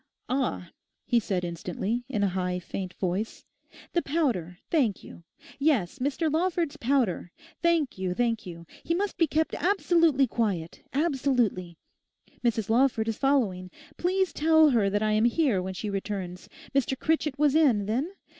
'Ah,' he said instantly, in a high faint voice, 'the powder, thank you; yes, Mr Lawford's powder; thank you, thank you. He must be kept absolutely quiet—absolutely. Mrs Lawford is following. Please tell her that I am here, when she returns. Mr Critchett was in, then?